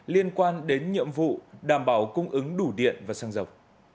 liên quan đến nhiệm vụ đảm bảo cung ứng đủ điện và xăng dầu